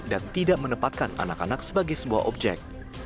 dan tidak menepatkan anak anak sebagai sebuah objek